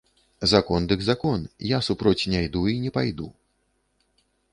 Закон дык закон, я супроць не іду і не пайду!